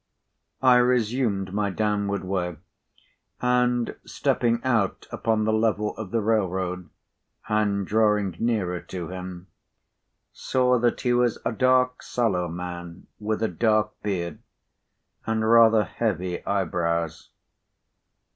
I resumed my downward way, and, stepping out upon the level of the railroad and drawing nearer to him, saw that he was a dark sallow man, with a dark beard and rather heavy eyebrows.